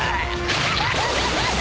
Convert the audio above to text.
アハハハ！